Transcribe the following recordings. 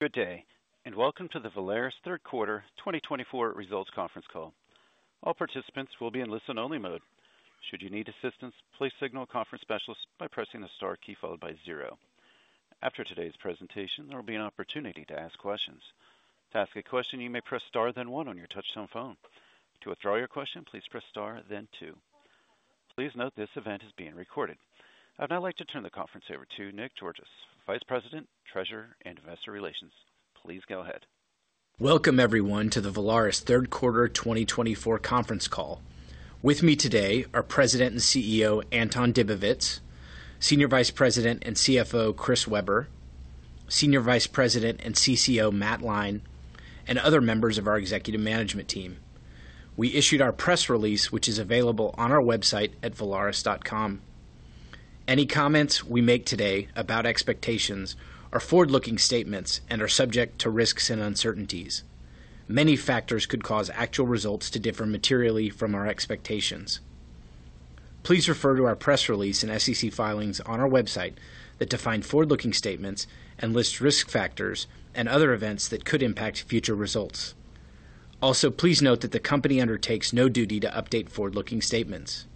Good day, and welcome to the Valaris Third Quarter 2024 Results Conference Call. All participants will be in listen-only mode. Should you need assistance, please signal a conference specialist by pressing the star key followed by zero. After today's presentation, there will be an opportunity to ask questions. To ask a question, you may press star then one on your touch-tone phone. To withdraw your question, please press star then two. Please note this event is being recorded. I'd now like to turn the conference over to Nick Georgas, Vice President, Treasurer and Investor Relations. Please go ahead. Welcome, everyone, to the Valaris Third Quarter 2024 Conference Call. With me today are President and CEO Anton Dibowitz, Senior Vice President and CFO Chris Weber, Senior Vice President and CCO Matt Lyne, and other members of our Executive Management Team. We issued our press release, which is available on our website at valaris.com. Any comments we make today about expectations are forward-looking statements and are subject to risks and uncertainties. Many factors could cause actual results to differ materially from our expectations. Please refer to our press release and SEC filings on our website that define forward-looking statements and list risk factors and other events that could impact future results. Also, please note that the company undertakes no duty to update forward-looking statements.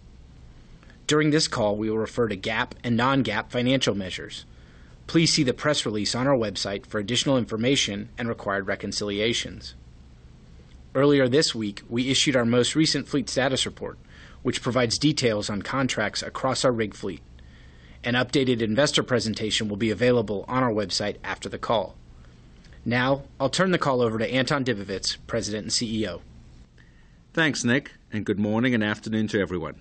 During this call, we will refer to GAAP and non-GAAP financial measures. Please see the press release on our website for additional information and required reconciliations. Earlier this week, we issued our most recent fleet status report, which provides details on contracts across our rig fleet. An updated investor presentation will be available on our website after the call. Now, I'll turn the call over to Anton Dibowitz, President and CEO. Thanks, Nick, and good morning and afternoon to everyone.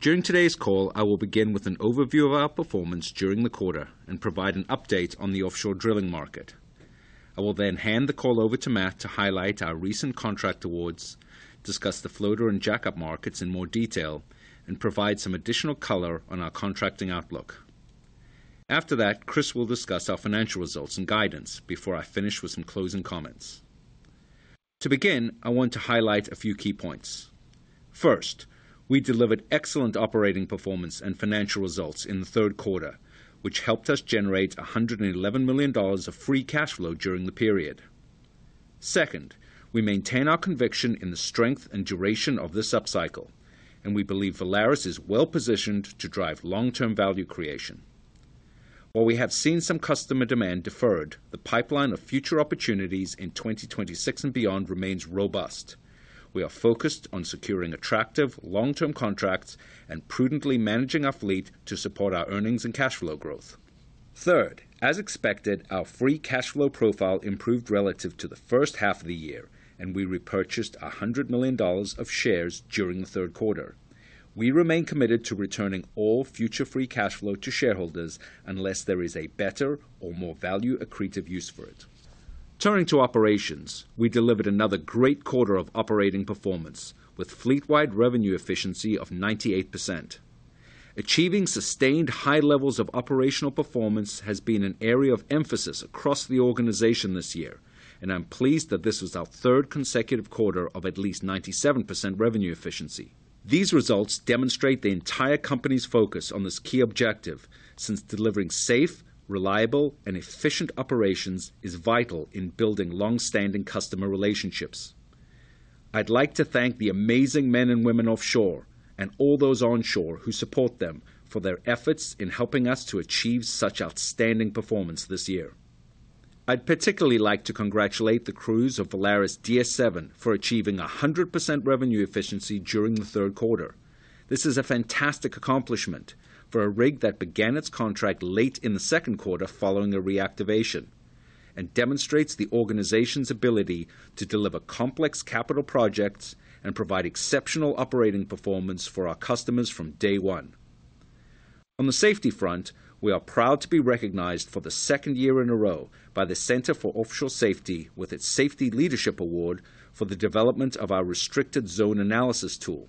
During today's call, I will begin with an overview of our performance during the quarter and provide an update on the offshore drilling market. I will then hand the call over to Matt to highlight our recent contract awards, discuss the floater and jack-up markets in more detail, and provide some additional color on our contracting outlook. After that, Chris will discuss our financial results and guidance before I finish with some closing comments. To begin, I want to highlight a few key points. First, we delivered excellent operating performance and financial results in the third quarter, which helped us generate $111 million of free cash flow during the period. Second, we maintain our conviction in the strength and duration of this upcycle, and we believe Valaris is well positioned to drive long-term value creation. While we have seen some customer demand deferred, the pipeline of future opportunities in 2026 and beyond remains robust. We are focused on securing attractive long-term contracts and prudently managing our fleet to support our earnings and cash flow growth. Third, as expected, our free cash flow profile improved relative to the first half of the year, and we repurchased $100 million of shares during the third quarter. We remain committed to returning all future free cash flow to shareholders unless there is a better or more value-accretive use for it. Turning to operations, we delivered another great quarter of operating performance with fleet-wide revenue efficiency of 98%. Achieving sustained high levels of operational performance has been an area of emphasis across the organization this year, and I'm pleased that this was our third consecutive quarter of at least 97% revenue efficiency. These results demonstrate the entire company's focus on this key objective since delivering safe, reliable, and efficient operations is vital in building long-standing customer relationships. I'd like to thank the amazing men and women offshore and all those onshore who support them for their efforts in helping us to achieve such outstanding performance this year. I'd particularly like to congratulate the crews of Valaris DS-7 for achieving 100% revenue efficiency during the third quarter. This is a fantastic accomplishment for a rig that began its contract late in the second quarter following a reactivation and demonstrates the organization's ability to deliver complex capital projects and provide exceptional operating performance for our customers from day one. On the safety front, we are proud to be recognized for the second year in a row by the Center for Offshore Safety with its Safety Leadership Award for the development of our Restricted Zone Analysis Tool.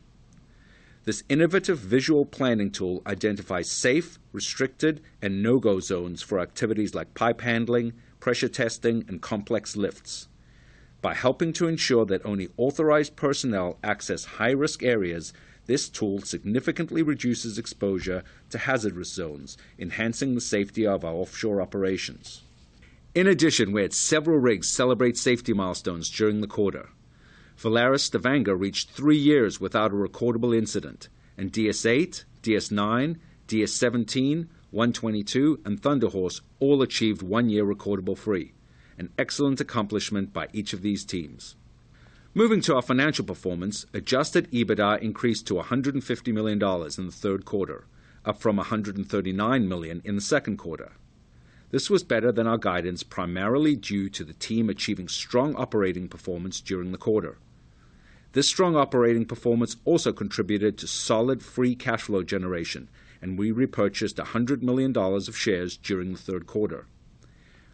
This innovative visual planning tool identifies safe, restricted, and no-go zones for activities like pipe handling, pressure testing, and complex lifts. By helping to ensure that only authorized personnel access high-risk areas, this tool significantly reduces exposure to hazardous zones, enhancing the safety of our offshore operations. In addition, we had several rigs celebrate safety milestones during the quarter. Valaris Stavanger reached three years without a recordable incident, and DS-8, DS-9, DS-17, 122, and Thunder Horse all achieved one year recordable free. An excellent accomplishment by each of these teams. Moving to our financial performance, adjusted EBITDA increased to $150 million in the third quarter, up from $139 million in the second quarter. This was better than our guidance, primarily due to the team achieving strong operating performance during the quarter. This strong operating performance also contributed to solid free cash flow generation, and we repurchased $100 million of shares during the third quarter.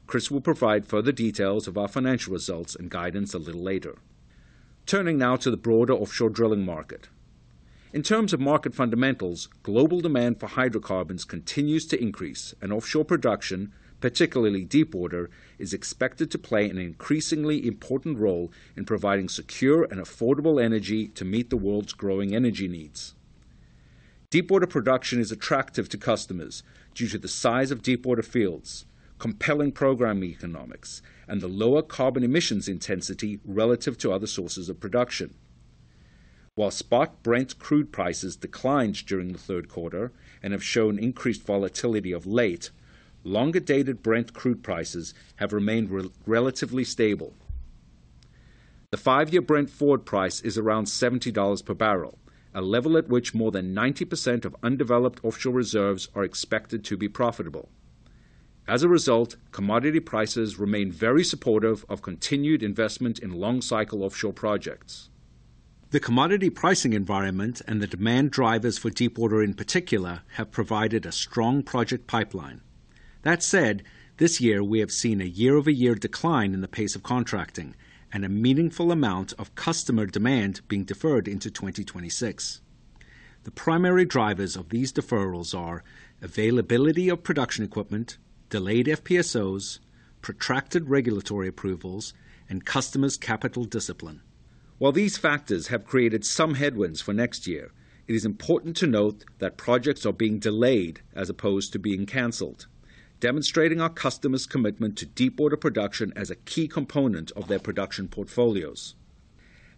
Chris will provide further details of our financial results and guidance a little later. Turning now to the broader offshore drilling market. In terms of market fundamentals, global demand for hydrocarbons continues to increase, and offshore production, particularly deepwater, is expected to play an increasingly important role in providing secure and affordable energy to meet the world's growing energy needs. Deepwater production is attractive to customers due to the size of deepwater fields, compelling program economics, and the lower carbon emissions intensity relative to other sources of production. While spot Brent crude prices declined during the third quarter and have shown increased volatility of late, longer-dated Brent crude prices have remained relatively stable. The five-year Brent forward price is around $70 per barrel, a level at which more than 90% of undeveloped offshore reserves are expected to be profitable. As a result, commodity prices remain very supportive of continued investment in long-cycle offshore projects. The commodity pricing environment and the demand drivers for deepwater in particular have provided a strong project pipeline. That said, this year we have seen a year-over-year decline in the pace of contracting and a meaningful amount of customer demand being deferred into 2026. The primary drivers of these deferrals are availability of production equipment, delayed FPSOs, protracted regulatory approvals, and customers' capital discipline. While these factors have created some headwinds for next year, it is important to note that projects are being delayed as opposed to being canceled, demonstrating our customers' commitment to deepwater production as a key component of their production portfolios.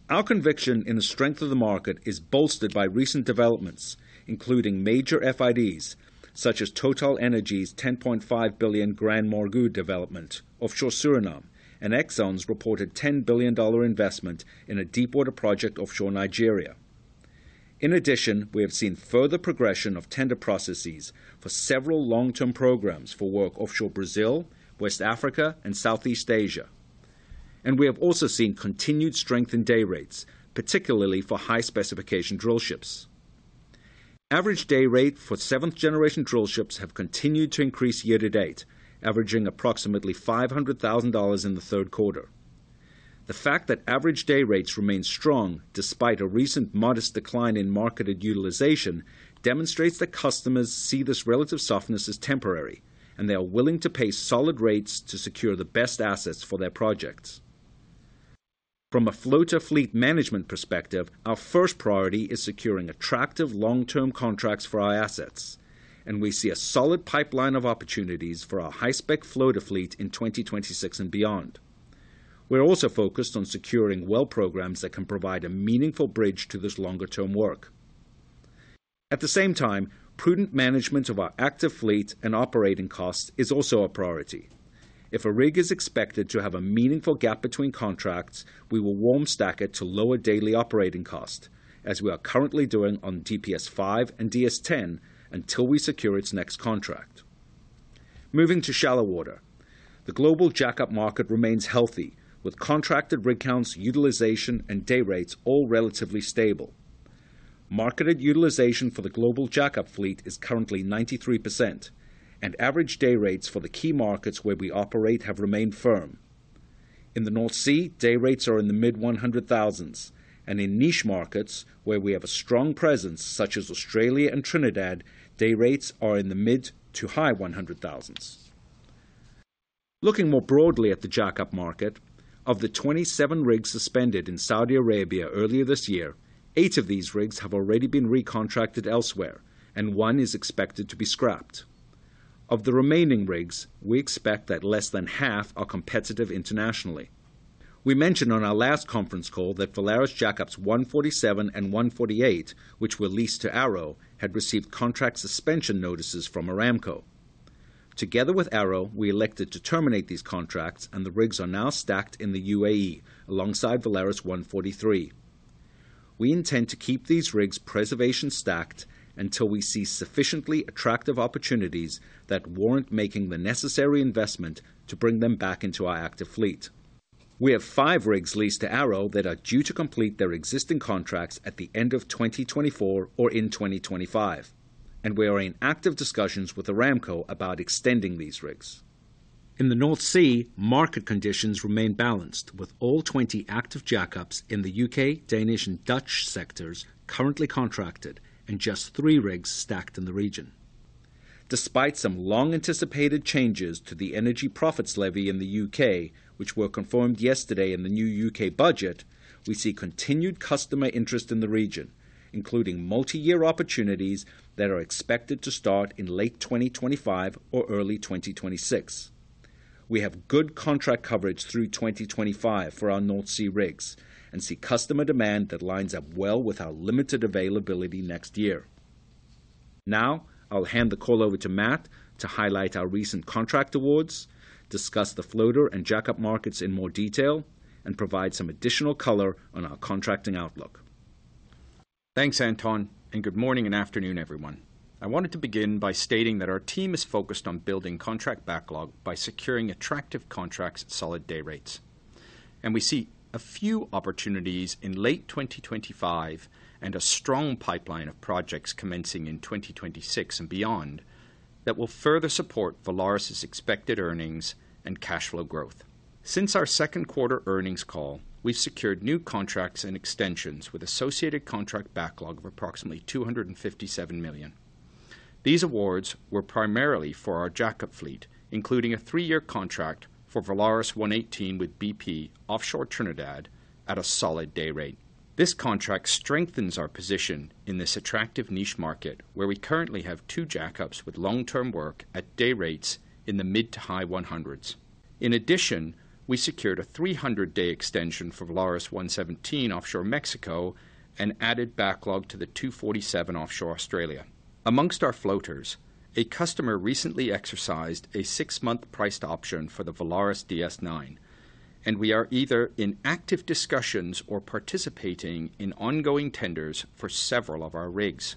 Our conviction in the strength of the market is bolstered by recent developments, including major FIDs such as TotalEnergies' $10.5 billion GranMorgu development offshore Suriname, and Exxon's reported $10 billion investment in a deepwater project offshore Nigeria. In addition, we have seen further progression of tender processes for several long-term programs for work offshore Brazil, West Africa, and Southeast Asia, and we have also seen continued strength in day rates, particularly for high-specification drillships. Average day rates for seventh-generation drillships have continued to increase year to date, averaging approximately $500,000 in the third quarter. The fact that average day rates remain strong despite a recent modest decline in market utilization demonstrates that customers see this relative softness as temporary, and they are willing to pay solid rates to secure the best assets for their projects. From a floater fleet management perspective, our first priority is securing attractive long-term contracts for our assets, and we see a solid pipeline of opportunities for our high-spec floater fleet in 2026 and beyond. We're also focused on securing well programs that can provide a meaningful bridge to this longer-term work. At the same time, prudent management of our active fleet and operating costs is also a priority. If a rig is expected to have a meaningful gap between contracts, we will warm stack it to lower daily operating costs, as we are currently doing on DPS-5 and DS-10 until we secure its next contract. Moving to shallow water, the global jack-up market remains healthy, with contracted rig counts, utilization, and day rates all relatively stable. Marketed utilization for the global jack-up fleet is currently 93%, and average day rates for the key markets where we operate have remained firm. In the North Sea, day rates are in the mid-100,000s, and in niche markets where we have a strong presence, such as Australia and Trinidad, day rates are in the mid to high 100,000s. Looking more broadly at the jack-up market, of the 27 rigs suspended in Saudi Arabia earlier this year, eight of these rigs have already been recontracted elsewhere, and one is expected to be scrapped. Of the remaining rigs, we expect that less than half are competitive internationally. We mentioned on our last conference call that Valaris jack-ups 147 and 148, which were leased to ARO, had received contract suspension notices from Aramco. Together with ARO, we elected to terminate these contracts, and the rigs are now stacked in the UAE alongside Valaris 143. We intend to keep these rigs preservation stacked until we see sufficiently attractive opportunities that warrant making the necessary investment to bring them back into our active fleet. We have five rigs leased to ARO that are due to complete their existing contracts at the end of 2024 or in 2025, and we are in active discussions with Aramco about extending these rigs. In the North Sea, market conditions remain balanced, with all 20 active jack-ups in the U.K., Danish, and Dutch sectors currently contracted, and just three rigs stacked in the region. Despite some long-anticipated changes to the Energy Profits Levy in the U.K., which were confirmed yesterday in the new U.K. budget, we see continued customer interest in the region, including multi-year opportunities that are expected to start in late 2025 or early 2026. We have good contract coverage through 2025 for our North Sea rigs and see customer demand that lines up well with our limited availability next year. Now, I'll hand the call over to Matt to highlight our recent contract awards, discuss the floater and jack-up markets in more detail, and provide some additional color on our contracting outlook. Thanks, Anton, and good morning and afternoon, everyone. I wanted to begin by stating that our team is focused on building contract backlog by securing attractive contracts, solid day rates, and we see a few opportunities in late 2025 and a strong pipeline of projects commencing in 2026 and beyond that will further support Valaris's expected earnings and cash flow growth. Since our second quarter earnings call, we've secured new contracts and extensions with associated contract backlog of approximately $257 million. These awards were primarily for our jack-up fleet, including a three-year contract for Valaris 118 with BP offshore Trinidad at a solid day rate. This contract strengthens our position in this attractive niche market, where we currently have two jack-ups with long-term work at day rates in the mid to high 100s. In addition, we secured a 300-day extension for Valaris 117 offshore Mexico and added backlog to the 247 offshore Australia. Among our floaters, a customer recently exercised a six-month priced option for the Valaris DS-9, and we are either in active discussions or participating in ongoing tenders for several of our rigs.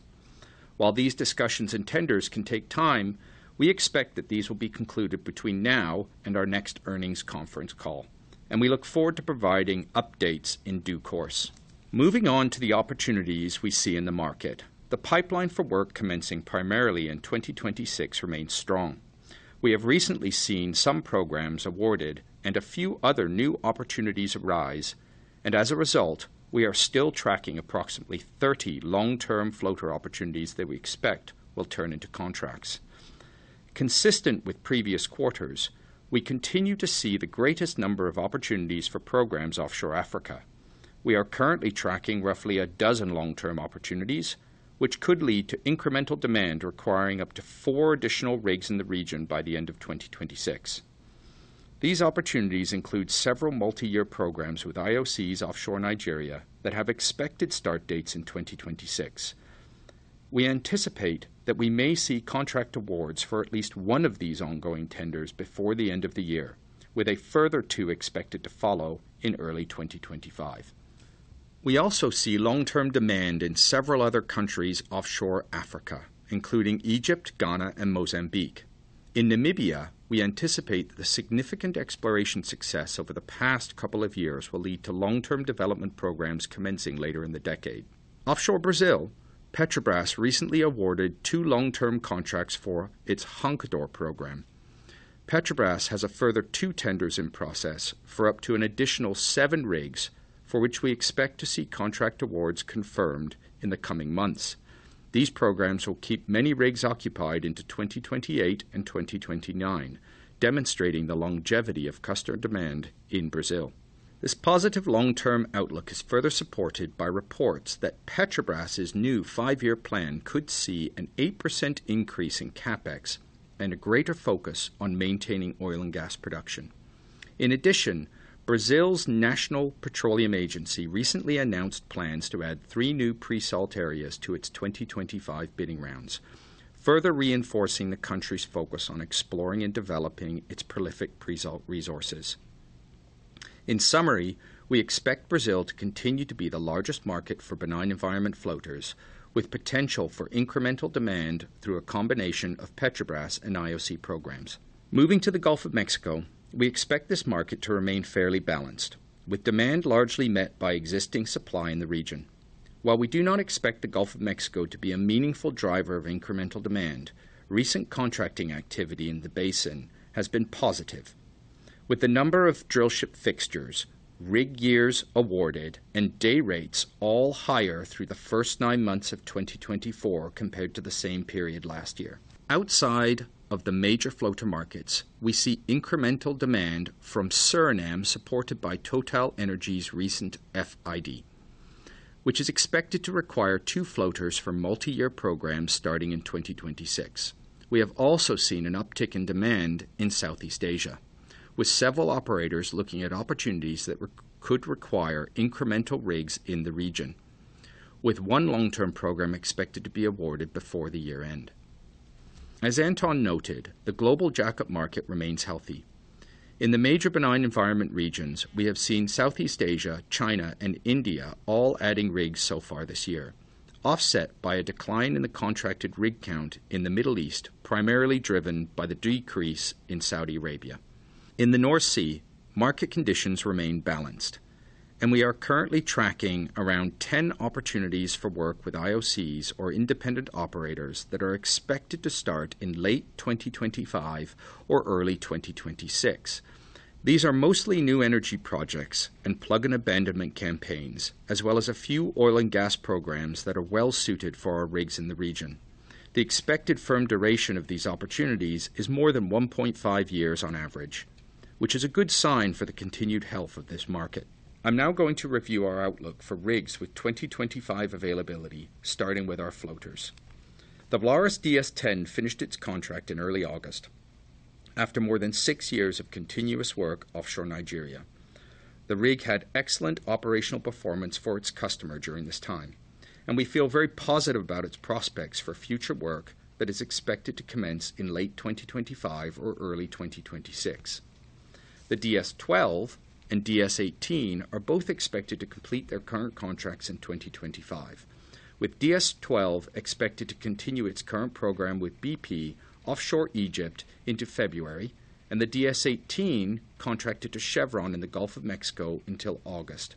While these discussions and tenders can take time, we expect that these will be concluded between now and our next earnings conference call, and we look forward to providing updates in due course. Moving on to the opportunities we see in the market, the pipeline for work commencing primarily in 2026 remains strong. We have recently seen some programs awarded and a few other new opportunities arise, and as a result, we are still tracking approximately 30 long-term floater opportunities that we expect will turn into contracts. Consistent with previous quarters, we continue to see the greatest number of opportunities for programs offshore Africa. We are currently tracking roughly a dozen long-term opportunities, which could lead to incremental demand requiring up to four additional rigs in the region by the end of 2026. These opportunities include several multi-year programs with IOCs offshore Nigeria that have expected start dates in 2026. We anticipate that we may see contract awards for at least one of these ongoing tenders before the end of the year, with a further two expected to follow in early 2025. We also see long-term demand in several other countries offshore Africa, including Egypt, Ghana, and Mozambique. In Namibia, we anticipate the significant exploration success over the past couple of years will lead to long-term development programs commencing later in the decade. Offshore Brazil, Petrobras recently awarded two long-term contracts for its Roncador program. Petrobras has a further two tenders in process for up to an additional seven rigs, for which we expect to see contract awards confirmed in the coming months. These programs will keep many rigs occupied into 2028 and 2029, demonstrating the longevity of customer demand in Brazil. This positive long-term outlook is further supported by reports that Petrobras's new five-year plan could see an 8% increase in CapEx and a greater focus on maintaining oil and gas production. In addition, Brazil's National Petroleum Agency recently announced plans to add three new pre-salt areas to its 2025 bidding rounds, further reinforcing the country's focus on exploring and developing its prolific pre-salt resources. In summary, we expect Brazil to continue to be the largest market for benign environment floaters, with potential for incremental demand through a combination of Petrobras and IOC programs. Moving to the Gulf of Mexico, we expect this market to remain fairly balanced, with demand largely met by existing supply in the region. While we do not expect the Gulf of Mexico to be a meaningful driver of incremental demand, recent contracting activity in the basin has been positive, with the number of drillship fixtures, rig years awarded, and day rates all higher through the first nine months of 2024 compared to the same period last year. Outside of the major floater markets, we see incremental demand from Suriname, supported by TotalEnergies' recent FID, which is expected to require two floaters for multi-year programs starting in 2026. We have also seen an uptick in demand in Southeast Asia, with several operators looking at opportunities that could require incremental rigs in the region, with one long-term program expected to be awarded before the year end. As Anton noted, the global jack-up market remains healthy. In the major benign environment regions, we have seen Southeast Asia, China, and India all adding rigs so far this year, offset by a decline in the contracted rig count in the Middle East, primarily driven by the decrease in Saudi Arabia. In the North Sea, market conditions remain balanced, and we are currently tracking around 10 opportunities for work with IOCs or independent operators that are expected to start in late 2025 or early 2026. These are mostly new energy projects and plug and abandonment campaigns, as well as a few oil and gas programs that are well-suited for our rigs in the region. The expected firm duration of these opportunities is more than 1.5 years on average, which is a good sign for the continued health of this market. I'm now going to review our outlook for rigs with 2025 availability, starting with our floaters. The Valaris DS-10 finished its contract in early August after more than six years of continuous work offshore Nigeria. The rig had excellent operational performance for its customer during this time, and we feel very positive about its prospects for future work that is expected to commence in late 2025 or early 2026. The DS-12 and DS-18 are both expected to complete their current contracts in 2025, with DS-12 expected to continue its current program with BP offshore Egypt into February, and the DS-18 contracted to Chevron in the Gulf of Mexico until August.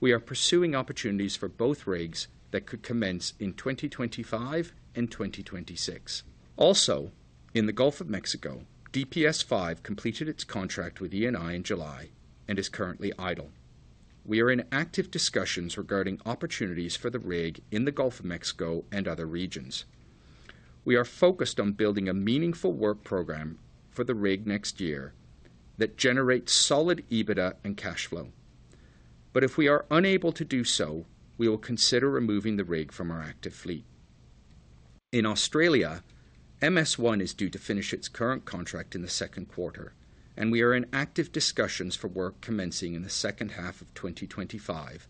We are pursuing opportunities for both rigs that could commence in 2025 and 2026. Also, in the Gulf of Mexico, DPS-5 completed its contract with Eni in July and is currently idle. We are in active discussions regarding opportunities for the rig in the Gulf of Mexico and other regions. We are focused on building a meaningful work program for the rig next year that generates solid EBITDA and cash flow. But if we are unable to do so, we will consider removing the rig from our active fleet. In Australia, MS-1 is due to finish its current contract in the second quarter, and we are in active discussions for work commencing in the second half of 2025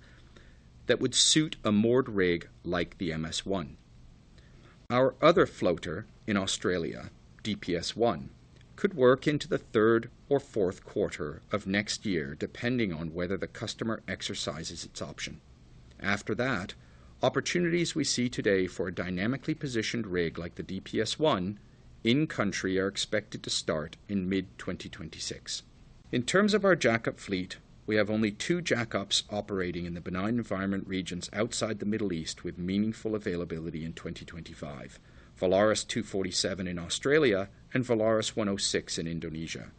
that would suit a moored rig like the MS-1. Our other floater in Australia, DPS-1, could work into the third or fourth quarter of next year, depending on whether the customer exercises its option. After that, opportunities we see today for a dynamically positioned rig like the DPS-1 in country are expected to start in mid-2026. In terms of our jack-up fleet, we have only two jack-ups operating in the benign environment regions outside the Middle East with meaningful availability in 2025: Valaris 247 in Australia and Valaris 106 in Indonesia.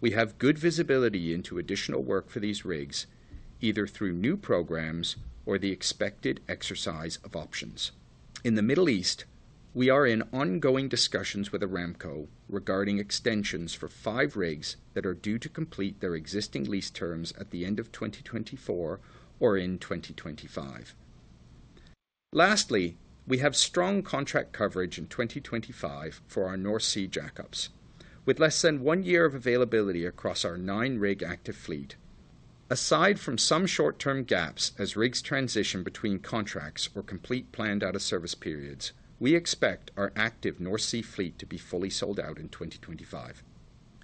We have good visibility into additional work for these rigs, either through new programs or the expected exercise of options. In the Middle East, we are in ongoing discussions with Aramco regarding extensions for five rigs that are due to complete their existing lease terms at the end of 2024 or in 2025. Lastly, we have strong contract coverage in 2025 for our North Sea jack-ups, with less than one year of availability across our nine-rig active fleet. Aside from some short-term gaps as rigs transition between contracts or complete planned out-of-service periods, we expect our active North Sea fleet to be fully sold out in 2025.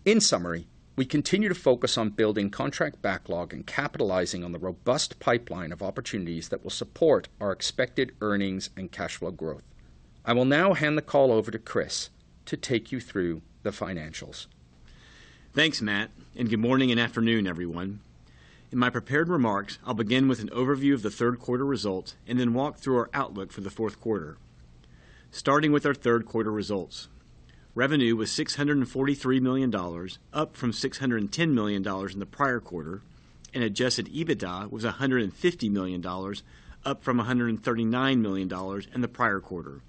In summary, we continue to focus on building contract backlog and capitalizing on the robust pipeline of opportunities that will support our expected earnings and cash flow growth. I will now hand the call over to Chris to take you through the financials. Thanks, Matt, and good morning and afternoon, everyone. In my prepared remarks, I'll begin with an overview of the third quarter results and then walk through our outlook for the fourth quarter. Starting with our third quarter results, revenue was $643 million, up from $610 million in the prior quarter, and Adjusted EBITDA was $150 million, up from $139 million in the prior quarter.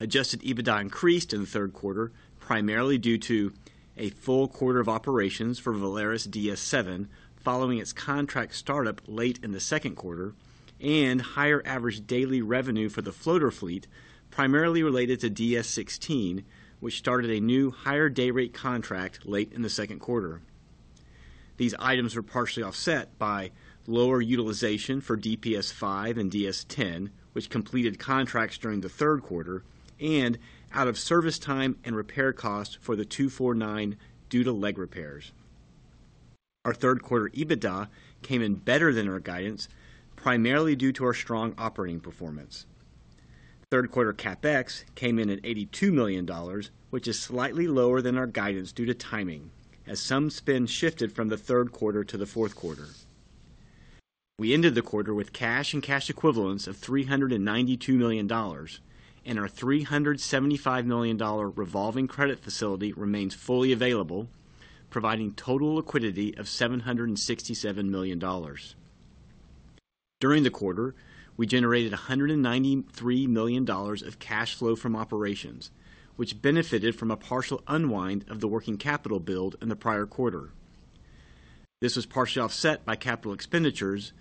Adjusted EBITDA increased in the third quarter, primarily due to a full quarter of operations for Valaris DS-7 following its contract startup late in the second quarter, and higher average daily revenue for the floater fleet, primarily related to DS-16, which started a new higher day rate contract late in the second quarter. These items were partially offset by lower utilization for DPS-5 and DS-10, which completed contracts during the third quarter, and out-of-service time and repair costs for the 249 due to leg repairs. Our third quarter EBITDA came in better than our guidance, primarily due to our strong operating performance. Third quarter CapEx came in at $82 million, which is slightly lower than our guidance due to timing, as some spend shifted from the third quarter to the fourth quarter. We ended the quarter with cash and cash equivalents of $392 million, and our $375 million revolving credit facility remains fully available, providing total liquidity of $767 million. During the quarter, we generated $193 million of cash flow from operations, which benefited from a partial unwind of the working capital build in the prior quarter. This was partially offset by capital expenditures,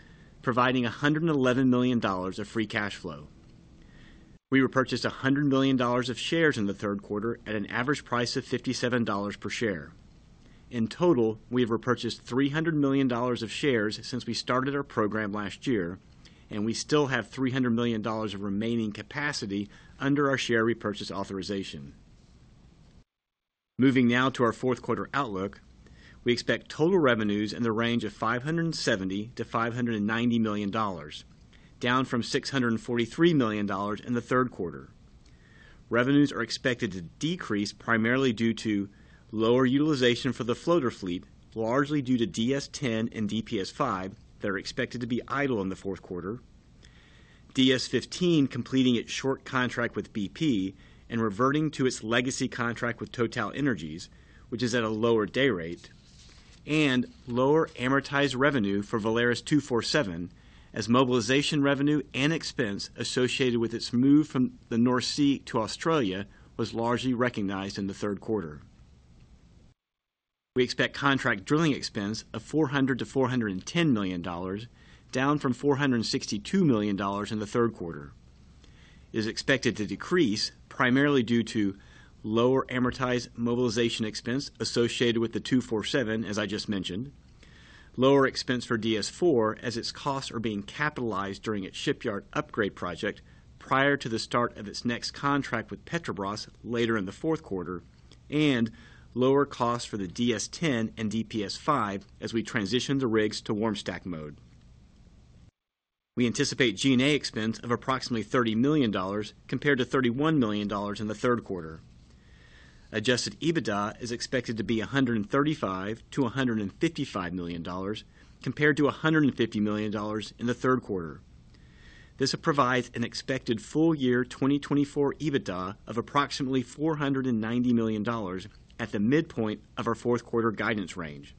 providing $111 million of free cash flow. We repurchased $100 million of shares in the third quarter at an average price of $57 per share. In total, we have repurchased $300 million of shares since we started our program last year, and we still have $300 million of remaining capacity under our share repurchase authorization. Moving now to our fourth quarter outlook, we expect total revenues in the range of $570-$590 million, down from $643 million in the third quarter. Revenues are expected to decrease primarily due to lower utilization for the floater fleet, largely due to DS-10 and DPS-5 that are expected to be idle in the fourth quarter, DS-15 completing its short contract with BP and reverting to its legacy contract with TotalEnergies, which is at a lower day rate, and lower amortized revenue for Valaris 247, as mobilization revenue and expense associated with its move from the North Sea to Australia was largely recognized in the third quarter. We expect contract drilling expense of $400-$410 million, down from $462 million in the third quarter. It is expected to decrease primarily due to lower amortized mobilization expense associated with the 247, as I just mentioned, lower expense for DS-4 as its costs are being capitalized during its shipyard upgrade project prior to the start of its next contract with Petrobras later in the fourth quarter, and lower costs for the DS-10 and DPS-5 as we transition the rigs to warm stack mode. We anticipate G&A expense of approximately $30 million compared to $31 million in the third quarter. Adjusted EBITDA is expected to be $135-$155 million compared to $150 million in the third quarter. This provides an expected full year 2024 EBITDA of approximately $490 million at the midpoint of our fourth quarter guidance range.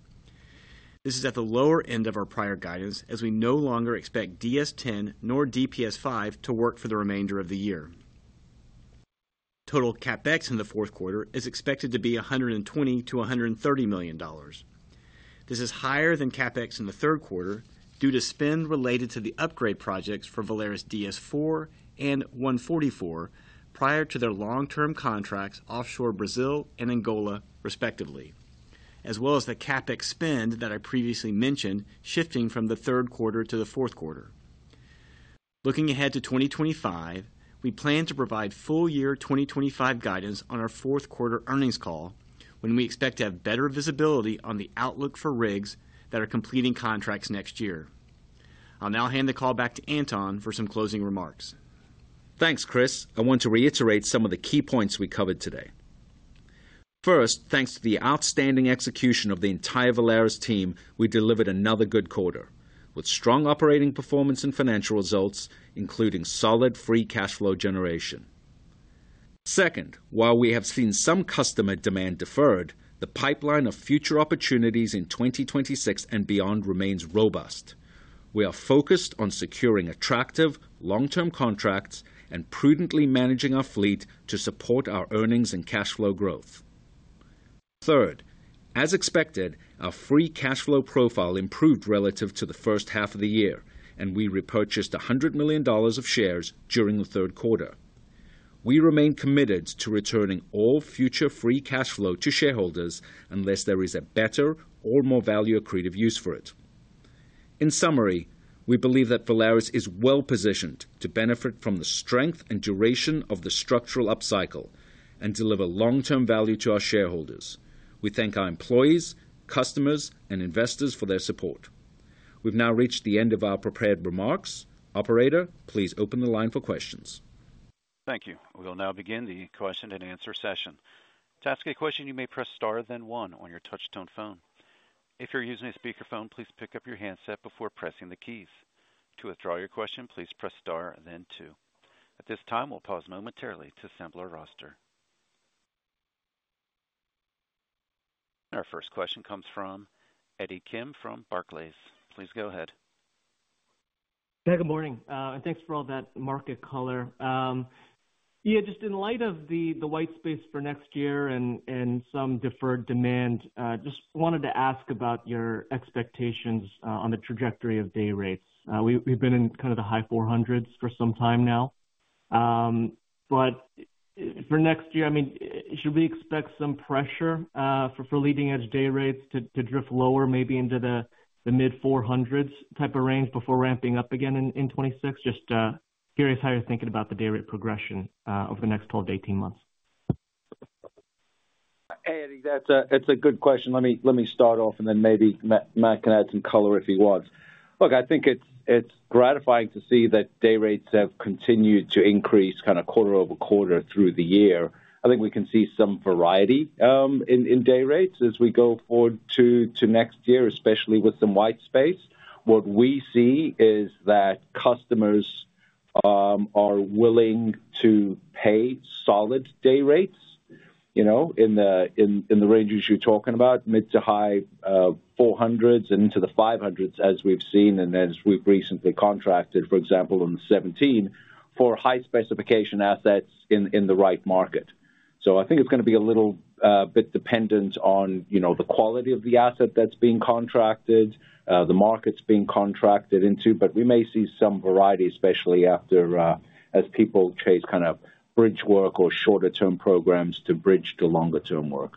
This is at the lower end of our prior guidance, as we no longer expect DS-10 nor DPS-5 to work for the remainder of the year. Total CapEx in the fourth quarter is expected to be $120-$130 million. This is higher than CapEx in the third quarter due to spend related to the upgrade projects for Valaris DS-4 and 144 prior to their long-term contracts offshore Brazil and Angola, respectively, as well as the CapEx spend that I previously mentioned shifting from the third quarter to the fourth quarter. Looking ahead to 2025, we plan to provide full year 2025 guidance on our fourth quarter earnings call, when we expect to have better visibility on the outlook for rigs that are completing contracts next year. I'll now hand the call back to Anton for some closing remarks. Thanks, Chris. I want to reiterate some of the key points we covered today. First, thanks to the outstanding execution of the entire Valaris team, we delivered another good quarter with strong operating performance and financial results, including solid free cash flow generation. Second, while we have seen some customer demand deferred, the pipeline of future opportunities in 2026 and beyond remains robust. We are focused on securing attractive long-term contracts and prudently managing our fleet to support our earnings and cash flow growth. Third, as expected, our free cash flow profile improved relative to the first half of the year, and we repurchased $100 million of shares during the third quarter. We remain committed to returning all future free cash flow to shareholders unless there is a better or more value-accretive use for it. In summary, we believe that Valaris is well-positioned to benefit from the strength and duration of the structural upcycle and deliver long-term value to our shareholders. We thank our employees, customers, and investors for their support. We've now reached the end of our prepared remarks. Operator, please open the line for questions. Thank you. We will now begin the question and answer session. To ask a question, you may press star then one on your touch-tone phone. If you're using a speakerphone, please pick up your handset before pressing the keys. To withdraw your question, please press star then two. At this time, we'll pause momentarily to assemble our roster. Our first question comes from Eddie Kim from Barclays. Please go ahead. Good morning, and thanks for all that market color. Yeah, just in light of the white space for next year and some deferred demand, just wanted to ask about your expectations on the trajectory of day rates. We've been in kind of the high 400s for some time now, but for next year, I mean, should we expect some pressure for leading-edge day rates to drift lower, maybe into the mid-400s type of range before ramping up again in 2026? Just curious how you're thinking about the day rate progression over the next 12-18 months. Eddie, that's a good question. Let me start off, and then maybe Matt can add some color if he wants. Look, I think it's gratifying to see that day rates have continued to increase kind of quarter over quarter through the year. I think we can see some variety in day rates as we go forward to next year, especially with some white space. What we see is that customers are willing to pay solid day rates in the ranges you're talking about, mid- to high $400s and into the $500s, as we've seen and as we've recently contracted, for example, in 117 for high-specification assets in the right market. So I think it's going to be a little bit dependent on the quality of the asset that's being contracted, the markets being contracted into, but we may see some variety, especially as people chase kind of bridge work or shorter-term programs to bridge to longer-term work.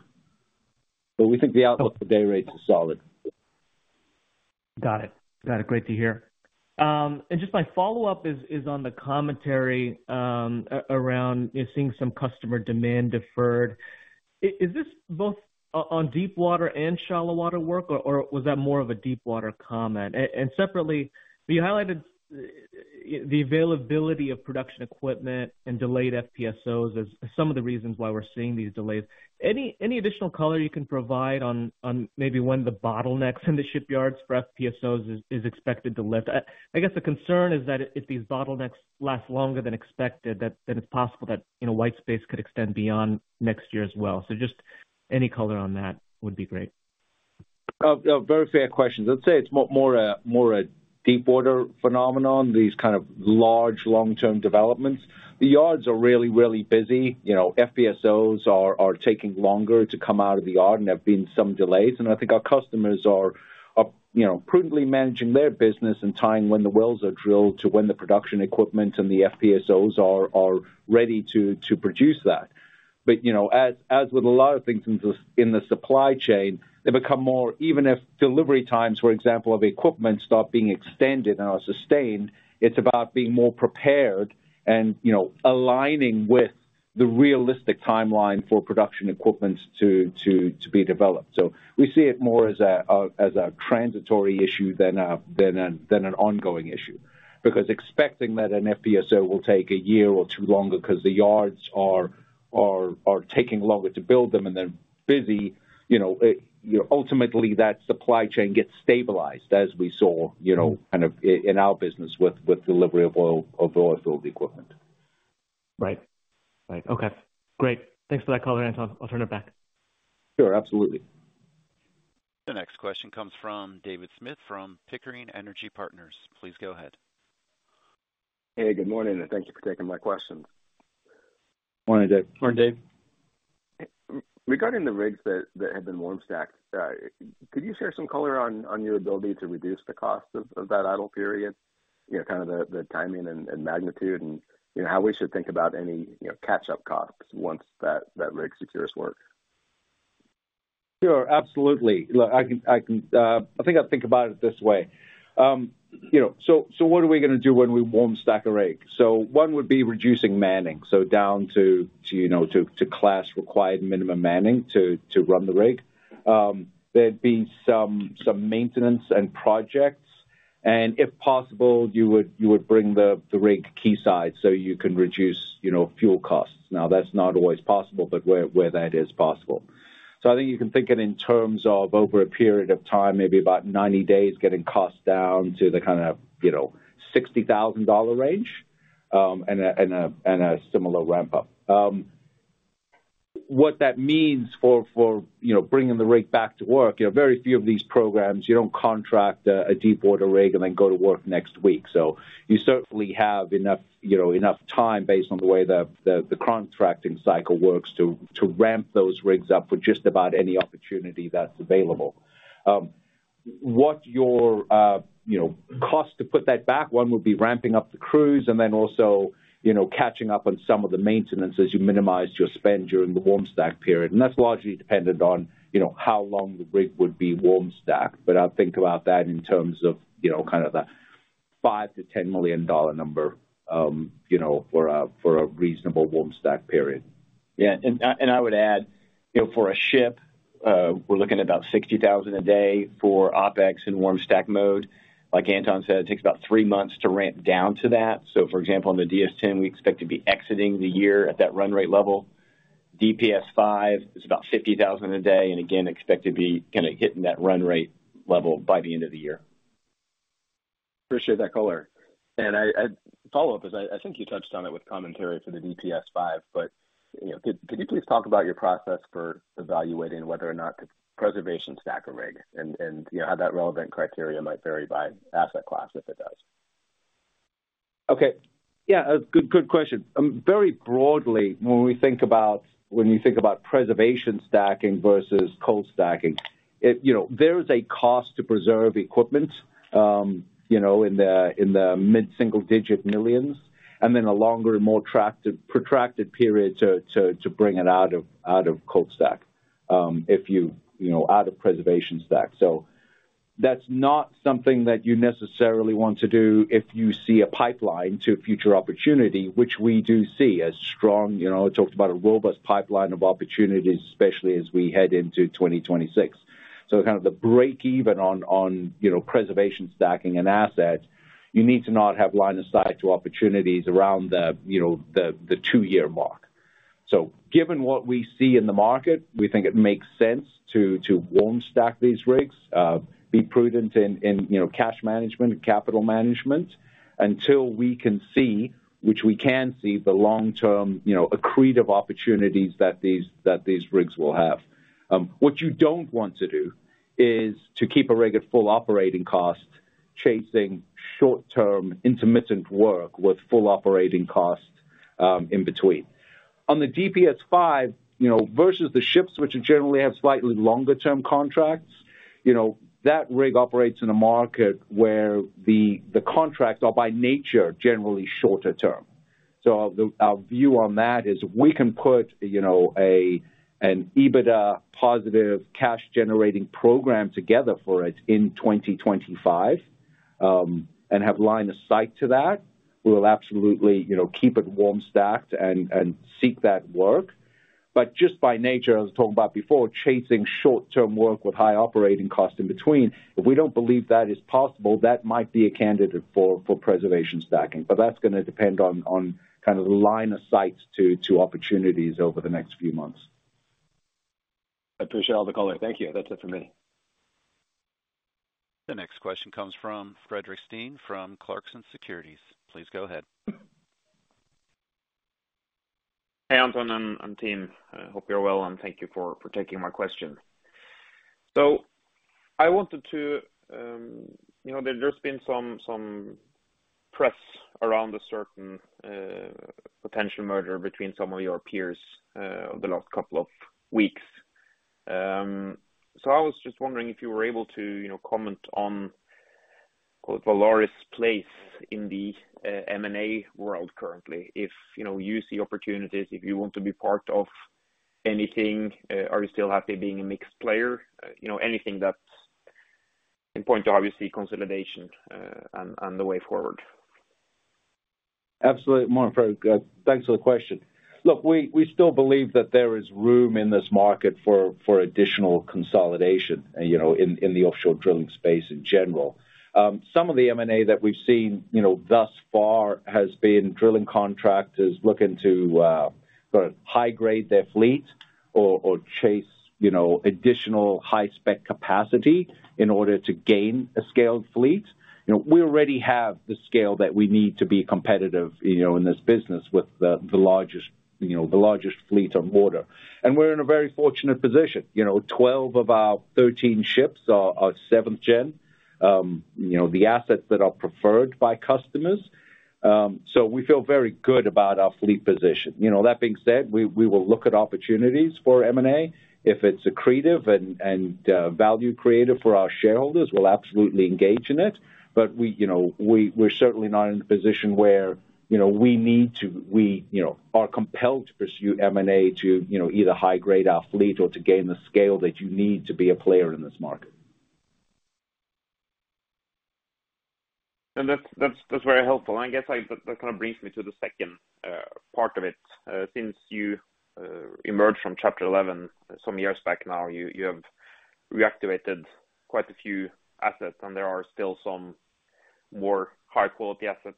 But we think the outlook for day rates is solid. Got it. Got it. Great to hear. And just my follow-up is on the commentary around seeing some customer demand deferred. Is this both on deepwater and shallow water work, or was that more of a deepwater comment? And separately, you highlighted the availability of production equipment and delayed FPSOs as some of the reasons why we're seeing these delays. Any additional color you can provide on maybe when the bottlenecks in the shipyards for FPSOs is expected to lift? I guess the concern is that if these bottlenecks last longer than expected, then it's possible that white space could extend beyond next year as well. So just any color on that would be great. Very fair questions. I'd say it's more a deepwater phenomenon, these kind of large long-term developments. The yards are really, really busy. FPSOs are taking longer to come out of the yard, and there have been some delays. And I think our customers are prudently managing their business and tying when the wells are drilled to when the production equipment and the FPSOs are ready to produce that. But as with a lot of things in the supply chain, they become more even if delivery times, for example, of equipment start being extended and are sustained, it's about being more prepared and aligning with the realistic timeline for production equipment to be developed. So we see it more as a transitory issue than an ongoing issue because expecting that an FPSO will take a year or two longer because the yards are taking longer to build them and they're busy. Ultimately that supply chain gets stabilized, as we saw kind of in our business with delivery of oilfield equipment. Right. Right. Okay. Great. Thanks for that color, Anton. I'll turn it back. Sure. Absolutely. The next question comes from David Smith from Pickering Energy Partners. Please go ahead. Hey, good morning, and thank you for taking my question. Morning, Dave. Morning, Dave. Regarding the rigs that have been warm stacked, could you share some color on your ability to reduce the cost of that idle period, kind of the timing and magnitude and how we should think about any catch-up costs once that rig secures work? Sure. Absolutely. Look, I think I'll think about it this way. So what are we going to do when we warm stack a rig? So one would be reducing manning, so down to class-required minimum manning to run the rig. There'd be some maintenance and projects. And if possible, you would bring the rig keyside so you can reduce fuel costs. Now, that's not always possible, but where that is possible. So I think you can think of it in terms of over a period of time, maybe about 90 days, getting costs down to the kind of $60,000 range and a similar ramp-up. What that means for bringing the rig back to work, very few of these programs, you don't contract a deepwater rig and then go to work next week. You certainly have enough time based on the way the contracting cycle works to ramp those rigs up for just about any opportunity that's available. What your cost to put that back? One would be ramping up the crews and then also catching up on some of the maintenance as you minimize your spend during the warm stack period. That's largely dependent on how long the rig would be warm stacked. But I'll think about that in terms of kind of the $5-$10 million number for a reasonable warm stack period. Yeah. I would add, for a ship, we're looking at about $60,000 a day for OpEx in warm stack mode. Like Anton said, it takes about three months to ramp down to that. For example, on the DS-10, we expect to be exiting the year at that run rate level. DPS-5 is about $50,000 a day and again, expect to be kind of hitting that run rate level by the end of the year. Appreciate that color, and follow-up is I think you touched on it with commentary for the DPS-5, but could you please talk about your process for evaluating whether or not to preservation stack a rig and how that relevant criteria might vary by asset class if it does? Okay. Yeah. Good question. Very broadly, when we think about when you think about preservation stacking versus cold stacking, there is a cost to preserve equipment in the mid-single-digit millions and then a longer and more protracted period to bring it out of cold stack if you out of preservation stack. So that's not something that you necessarily want to do if you see a pipeline to future opportunity, which we do see as strong. I talked about a robust pipeline of opportunities, especially as we head into 2026. So kind of the break-even on preservation stacking and assets, you need to not have line of sight to opportunities around the two-year mark. So given what we see in the market, we think it makes sense to warm stack these rigs, be prudent in cash management and capital management until we can see, which we can see, the long-term accretive opportunities that these rigs will have. What you don't want to do is to keep a rig at full operating cost, chasing short-term intermittent work with full operating cost in between. On the DPS-5 versus the ships, which generally have slightly longer-term contracts, that rig operates in a market where the contracts are by nature generally shorter term. So our view on that is if we can put an EBITDA-positive cash-generating program together for it in 2025 and have line of sight to that, we will absolutely keep it warm stacked and seek that work. But just by nature, as I was talking about before, chasing short-term work with high operating cost in between, if we don't believe that is possible, that might be a candidate for preservation stacking. But that's going to depend on kind of the line of sight to opportunities over the next few months. Appreciate all the color. Thank you. That's it for me. The next question comes from Frederic Steen from Clarkson Securities. Please go ahead. Hey, Anton and team. I hope you're well, and thank you for taking my question. So I wanted to. There's been some press around a certain potential merger between some of your peers over the last couple of weeks. So I was just wondering if you were able to comment on, call it, Valaris's place in the M&A world currently. If you see opportunities, if you want to be part of anything, are you still happy being a mixed player? Anything that's pertinent to obviously consolidation and the way forward. Absolutely. Thanks for the question. Look, we still believe that there is room in this market for additional consolidation in the offshore drilling space in general. Some of the M&A that we've seen thus far has been drilling contractors looking to sort of high-grade their fleet or chase additional high-spec capacity in order to gain a scaled fleet. We already have the scale that we need to be competitive in this business with the largest fleet on water. And we're in a very fortunate position. 12 of our 13 ships are 7th-gen, the assets that are preferred by customers. So we feel very good about our fleet position. That being said, we will look at opportunities for M&A. If it's accretive and value-creative for our shareholders, we'll absolutely engage in it. But we're certainly not in a position where we are compelled to pursue M&A to either high-grade our fleet or to gain the scale that you need to be a player in this market. And that's very helpful. I guess that kind of brings me to the second part of it. Since you emerged from Chapter 11 some years back now, you have reactivated quite a few assets, and there are still some more high-quality assets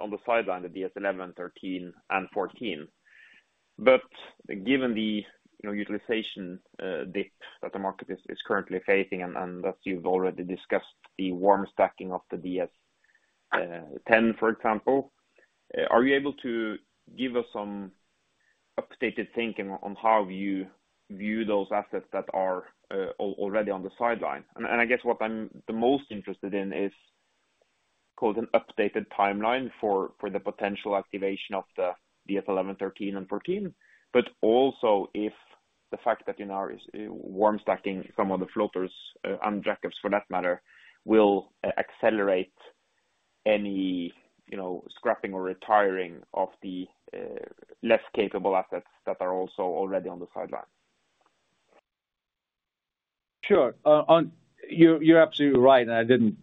on the sideline, the DS-11, DS-13, and DS-14. But given the utilization dip that the market is currently facing, and as you've already discussed, the warm stacking of the DS-10, for example, are you able to give us some updated thinking on how you view those assets that are already on the sideline? I guess what I'm the most interested in is, call it, an updated timeline for the potential activation of the DS-11, DS-13, and DS-14, but also if the fact that you are warm stacking some of the floaters and jack-ups, for that matter, will accelerate any scrapping or retiring of the less capable assets that are also already on the sideline. Sure. You're absolutely right. And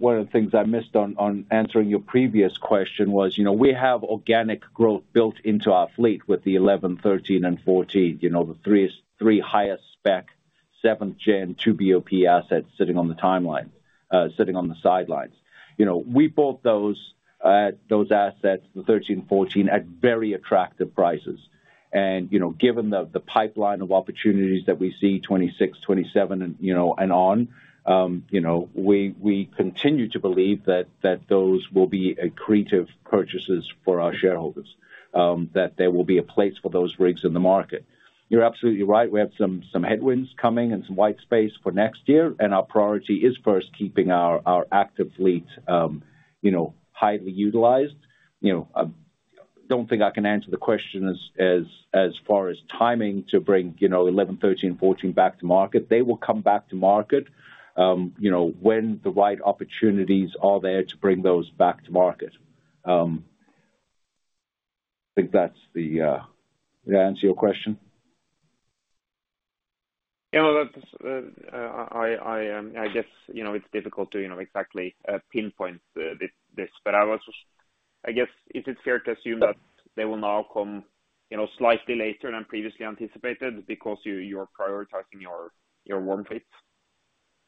one of the things I missed on answering your previous question was we have organic growth built into our fleet with the 11, 13, and 14, the three highest spec 7th-gen 2BOP assets sitting on the sidelines. We bought those assets, the 13, 14, at very attractive prices. And given the pipeline of opportunities that we see 2026, 2027, and on, we continue to believe that those will be accretive purchases for our shareholders, that there will be a place for those rigs in the market. You're absolutely right. We have some headwinds coming and some white space for next year. And our priority is first keeping our active fleet highly utilized. I don't think I can answer the question as far as timing to bring 11, 13, 14 back to market. They will come back to market when the right opportunities are there to bring those back to market. I think that's the answer to your question. Yeah. I guess it's difficult to exactly pinpoint this. But I guess, is it fair to assume that they will now come slightly later than previously anticipated because you're prioritizing your warm fleets?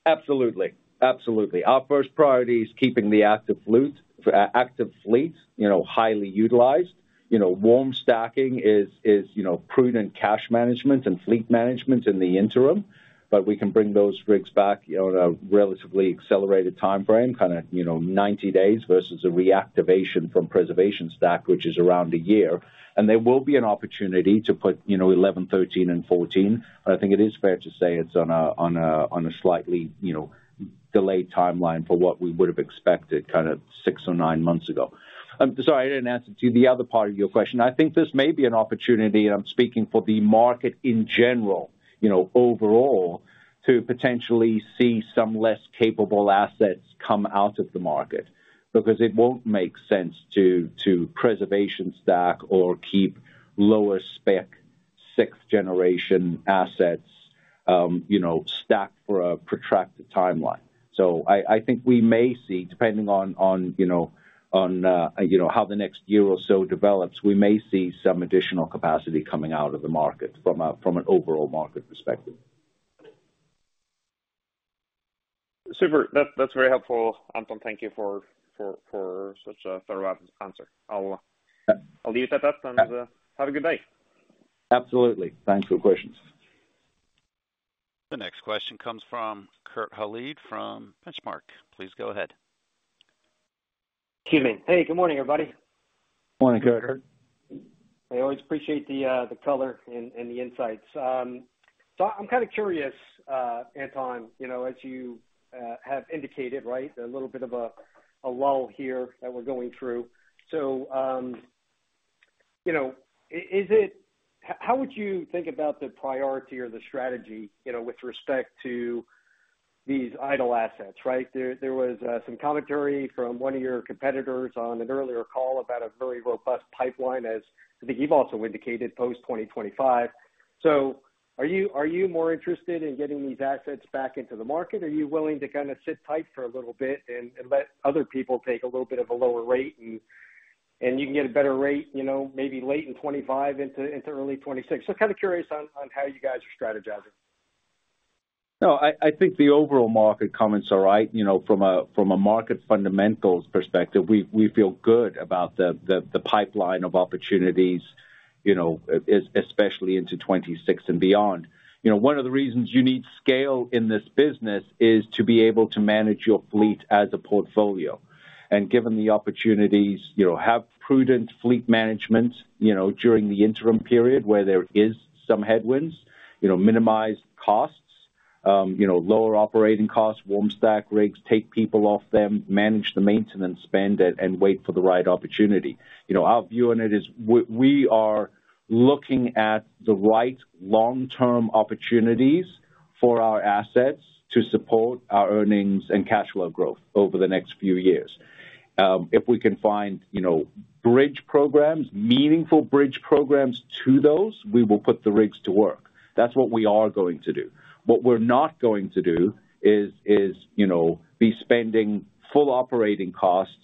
Absolutely. Absolutely. Our first priority is keeping the active fleet highly utilized. Warm stacking is prudent cash management and fleet management in the interim. But we can bring those rigs back on a relatively accelerated timeframe, kind of 90 days versus a reactivation from preservation stack, which is around a year. And there will be an opportunity to put 11, 13, and 14. But I think it is fair to say it's on a slightly delayed timeline for what we would have expected kind of six or nine months ago. I'm sorry, I didn't answer to the other part of your question. I think this may be an opportunity, and I'm speaking for the market in general, overall, to potentially see some less capable assets come out of the market because it won't make sense to preservation stack or keep lower-spec 6th-generation assets stacked for a protracted timeline. So I think we may see, depending on how the next year or so develops, we may see some additional capacity coming out of the market from an overall market perspective. Super. That's very helpful, Anton. Thank you for such a thorough answer. I'll leave it at that and have a good day. Absolutely. Thanks for the questions. The next question comes from Kurt Hallead from Benchmark. Please go ahead. Excuse me. Hey, good morning, everybody. Good morning, Kurt. Hey, I always appreciate the color and the insights. So I'm kind of curious, Anton, as you have indicated, right, a little bit of a lull here that we're going through. So how would you think about the priority or the strategy with respect to these idle assets, right? There was some commentary from one of your competitors on an earlier call about a very robust pipeline, as I think you've also indicated, post 2025. So are you more interested in getting these assets back into the market? Are you willing to kind of sit tight for a little bit and let other people take a little bit of a lower rate, and you can get a better rate maybe late in 2025 into early 2026? So kind of curious on how you guys are strategizing. No, I think the overall market comments are right. From a market fundamentals perspective, we feel good about the pipeline of opportunities, especially into 2026 and beyond. One of the reasons you need scale in this business is to be able to manage your fleet as a portfolio, and given the opportunities, have prudent fleet management during the interim period where there is some headwinds, minimize costs, lower operating costs, warm stack rigs, take people off them, manage the maintenance spend, and wait for the right opportunity. Our view on it is we are looking at the right long-term opportunities for our assets to support our earnings and cash flow growth over the next few years. If we can find bridge programs, meaningful bridge programs to those, we will put the rigs to work. That's what we are going to do. What we're not going to do is be spending full operating costs,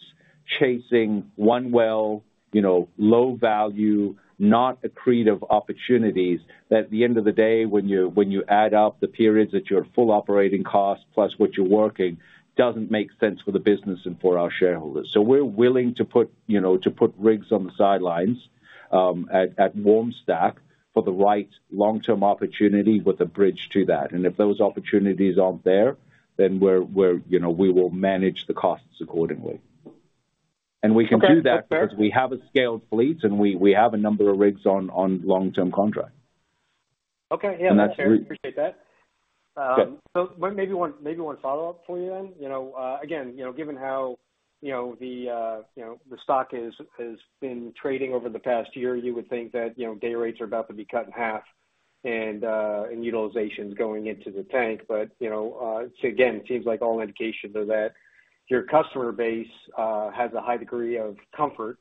chasing one well, low-value, not accretive opportunities that, at the end of the day, when you add up the periods at your full operating cost plus what you're working, doesn't make sense for the business and for our shareholders, so we're willing to put rigs on the sidelines at warm stack for the right long-term opportunity with a bridge to that, and if those opportunities aren't there, then we will manage the costs accordingly, and we can do that because we have a scaled fleet and we have a number of rigs on long-term contract. Okay. Yeah. I appreciate that. So maybe one follow-up for you then. Again, given how the stock has been trading over the past year, you would think that day rates are about to be cut in half and utilization is going into the tank. But again, it seems like all indications are that your customer base has a high degree of comfort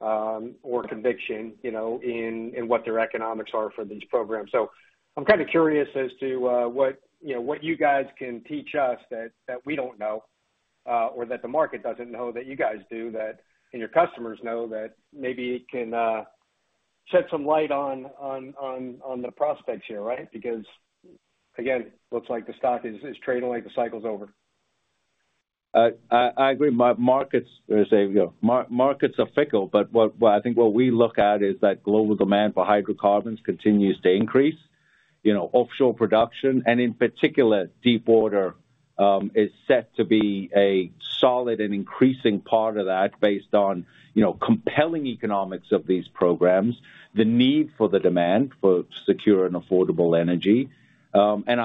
or conviction in what their economics are for these programs. So I'm kind of curious as to what you guys can teach us that we don't know or that the market doesn't know that you guys do, that your customers know, that maybe it can shed some light on the prospects here, right? Because, again, it looks like the stock is trading like the cycle's over. I agree. Markets are fickle, but I think what we look at is that global demand for hydrocarbons continues to increase. Offshore production, and in particular, deepwater is set to be a solid and increasing part of that based on compelling economics of these programs, the need for the demand for secure and affordable energy, and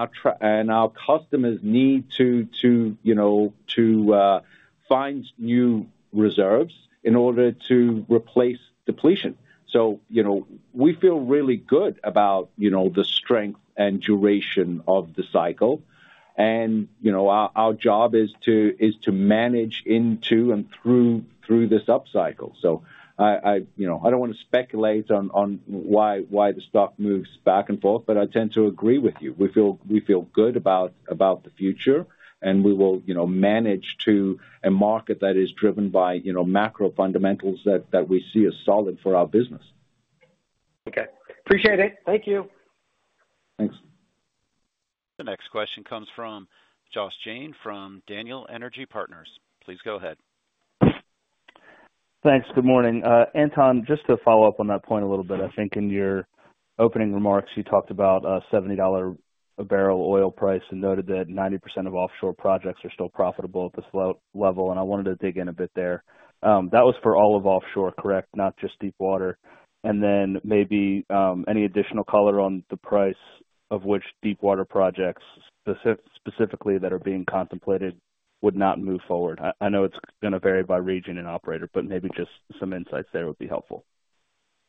our customers' need to find new reserves in order to replace depletion. So we feel really good about the strength and duration of the cycle. And our job is to manage into and through this upcycle. So I don't want to speculate on why the stock moves back and forth, but I tend to agree with you. We feel good about the future, and we will manage to a market that is driven by macro fundamentals that we see as solid for our business. Okay. Appreciate it. Thank you. Thanks. The next question comes from Josh Jayne from Daniel Energy Partners. Please go ahead. Thanks. Good morning. Anton, just to follow up on that point a little bit, I think in your opening remarks, you talked about a $70 a barrel oil price and noted that 90% of offshore projects are still profitable at this level. And I wanted to dig in a bit there. That was for all of offshore, correct? Not just deepwater. And then maybe any additional color on the price of which deepwater projects specifically that are being contemplated would not move forward. I know it's going to vary by region and operator, but maybe just some insights there would be helpful.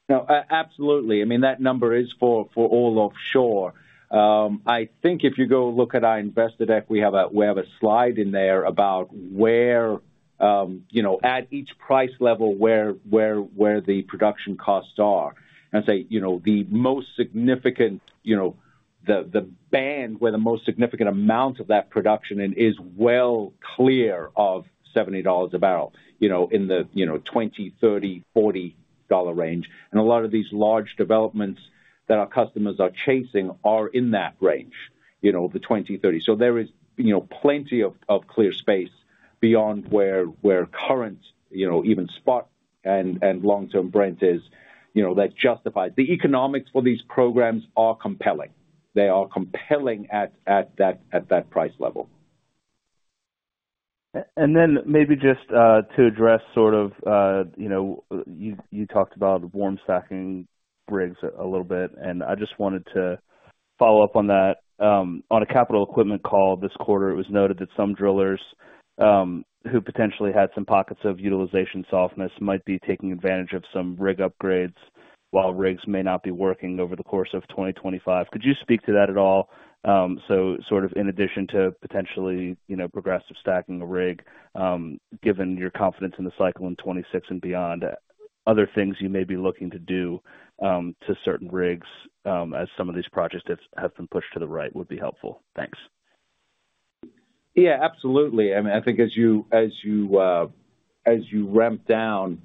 No, absolutely. I mean, that number is for all offshore. I think if you go look at our investor deck, we have a slide in there about where at each price level where the production costs are. And I'd say the most significant, the band where the most significant amount of that production is well clear of $70 a barrel in the 20, 30, 40 dollar range. And a lot of these large developments that our customers are chasing are in that range, the 20, 30. So there is plenty of clear space beyond where current, even spot and long-term Brent is that justifies the economics for these programs are compelling. They are compelling at that price level. Then maybe just to address sort of you talked about warm stacking rigs a little bit, and I just wanted to follow up on that. On a capital equipment call this quarter, it was noted that some drillers who potentially had some pockets of utilization softness might be taking advantage of some rig upgrades while rigs may not be working over the course of 2025. Could you speak to that at all? So sort of in addition to potentially progressive stacking a rig, given your confidence in the cycle in 2026 and beyond, other things you may be looking to do to certain rigs as some of these projects have been pushed to the right would be helpful. Thanks. Yeah, absolutely. I mean, I think as you ramp down,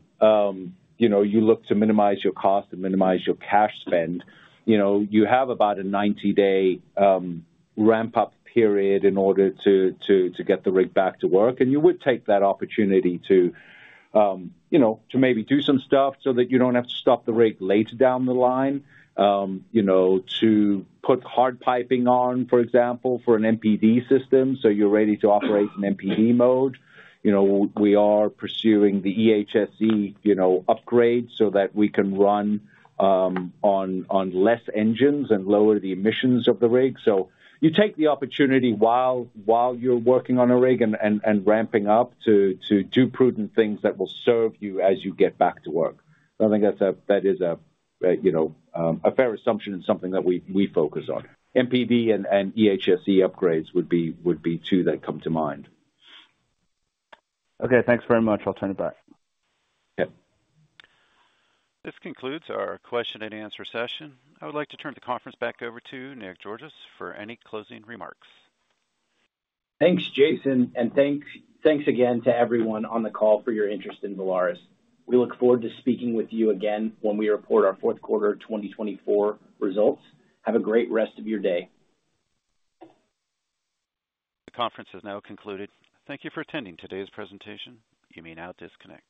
you look to minimize your cost and minimize your cash spend. You have about a 90-day ramp-up period in order to get the rig back to work, and you would take that opportunity to maybe do some stuff so that you don't have to stop the rig later down the line to put hard piping on, for example, for an MPD system, so you're ready to operate in MPD mode. We are pursuing the EHSE upgrade so that we can run on less engines and lower the emissions of the rig, so you take the opportunity while you're working on a rig and ramping up to do prudent things that will serve you as you get back to work, so I think that is a fair assumption and something that we focus on. MPD and EHSE upgrades would be two that come to mind. Okay. Thanks very much. I'll turn it back. Okay. This concludes our question and answer session. I would like to turn the conference back over to Nick Georgas for any closing remarks. Thanks, Jason. And thanks again to everyone on the call for your interest in Valaris. We look forward to speaking with you again when we report our fourth quarter 2024 results. Have a great rest of your day. The conference has now concluded. Thank you for attending today's presentation. You may now disconnect.